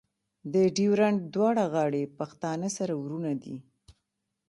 د ډیورنډ دواړه غاړې پښتانه سره ورونه دي.